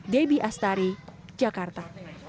debbie astari jakarta